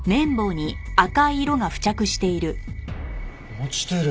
落ちてる。